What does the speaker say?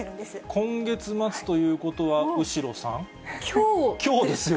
今月末ということは、後呂さきょうですか？